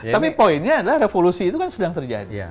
tapi poinnya adalah revolusi itu kan sedang terjadi